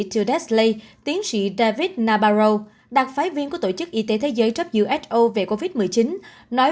tildesley tiến sĩ david nabarro đặc phái viên của tổ chức y tế thế giới who về covid một mươi chín nói